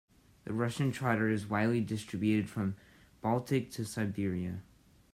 The Russian Trotter is widely distributed, from the Baltic to Siberia.